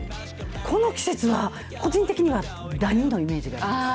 この季節は、個人的にはダニのイメージがあります。